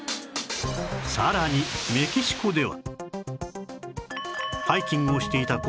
さらにメキシコでは